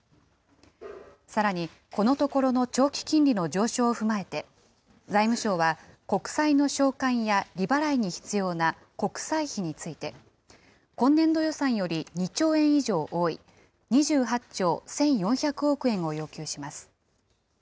さらにこのところの長期金利の上昇を踏まえて、財務省は国債の償還や、利払いに必要な国債費について、今年度予算より２兆円以上多い２８兆１４００億円を要求します。